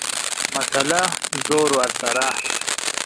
مسئله ، زور ورسره.